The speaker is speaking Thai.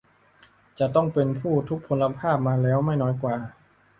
จะต้องเป็นผู้ทุพพลภาพมาแล้วไม่น้อยกว่า